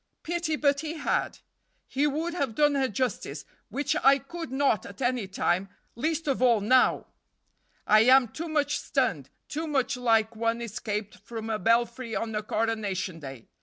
Pity but he had! He would have done her justice, which I could not at any time, least of all now; I am too much stunned, too much like one escaped from a belfry on a coronation day.